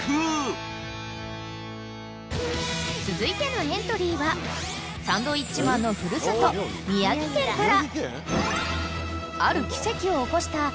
［続いてのエントリーはサンドウィッチマンの古里宮城県から］